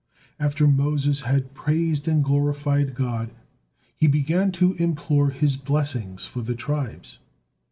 After Moses had praised and glorified God, he began to implore His blessing for the tribes.